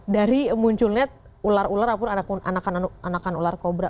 dari munculnya ular ular ataupun anak anakan ular kobra